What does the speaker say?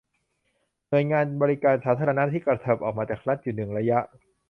หน่วยงานบริการสาธารณะที่กระเถิบออกมาจากรัฐอยู่หนึ่งระยะ